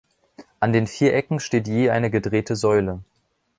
An den vier Ecken steht je eine gedrehte Säule.